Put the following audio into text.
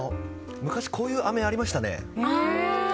昔、こういうあめがありましたね。